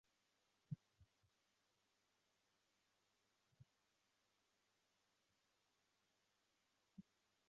他现在生活在当时临时政府安排的龙树宫。